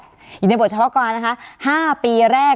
การแสดงความคิดเห็น